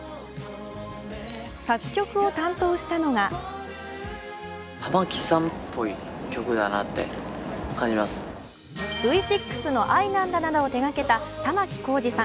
作曲を担当したのがＶ６の「愛なんだ」などを手がけた玉置浩二さん。